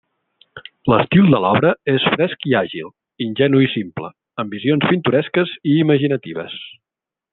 L'estil de l'obra és fresc i àgil, ingenu i simple, amb visions pintoresques i imaginatives.